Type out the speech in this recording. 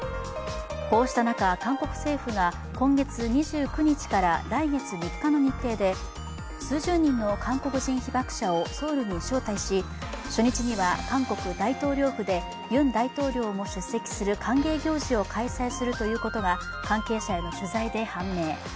こうした中、韓国政府が今月２９日から来月３日の日程で数十人の韓国人被爆者をソウルに招待し初日は韓国大統領府でユン大統領も出席する歓迎行事を開催するということが関係者への取材で判明。